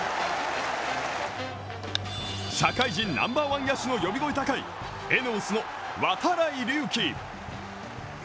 社会人ナンバーワン野手の呼び声高いＥＮＥＯＳの度会隆輝。